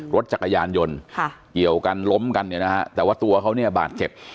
รถจักรยานยนต์เกี่ยวกันล้มกันแต่ว่าตัวเขาบาทเจ็บ